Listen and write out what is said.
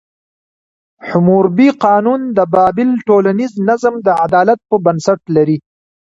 حموربي قانون د بابل ټولنیز نظم د عدالت په بنسټ لري.